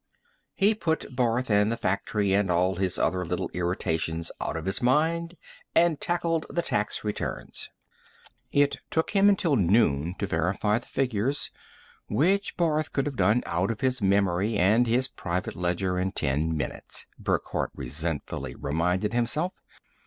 He put Barth and the factory and all his other little irritations out of his mind and tackled the tax returns. It took him until noon to verify the figures which Barth could have done out of his memory and his private ledger in ten minutes, Burckhardt resentfully reminded himself.